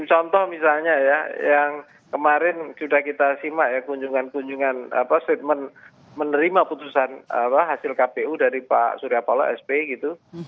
contoh misalnya ya yang kemarin sudah kita simak ya kunjungan kunjungan statement menerima putusan hasil kpu dari pak surya palo sp gitu